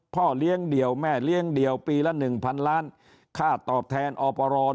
พ่อเลี้ยงเดี่ยวแม่เลี้ยงเดี่ยวปีละหนึ่งพันล้านค่าตอบแทนอปร